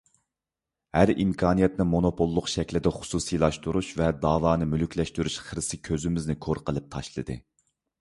ھەر ئىمكانىيەتنى مونوپوللۇق شەكلىدە خۇسۇسىيلاشتۇرۇش ۋە دەۋانى مۈلۈكلەشتۈرۈش خىرىسى كۆزىمىزنى كور قىلىپ تاشلىدى.